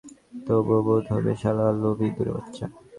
তুইও বধ হবি, শালা লোভী ইঁদুরের বাচ্চা।